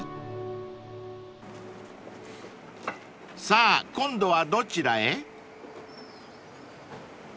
［さぁ今度はどちらへ？］